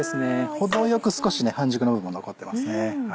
程よく少し半熟の部分も残ってますね。